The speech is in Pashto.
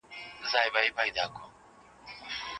څرنګه به پوه سم په خواله ددې جینۍ